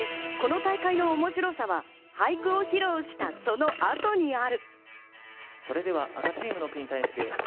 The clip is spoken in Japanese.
そして、この大会の面白さは俳句を披露したそのあとにある。